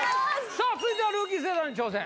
さあ続いてはルーキー世代の挑戦